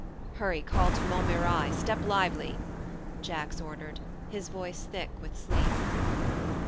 " Hurry call to Montmirail step lively !" Jacks ordered, his voice thick with sleep.